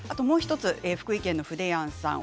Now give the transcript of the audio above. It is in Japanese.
福井県の方です。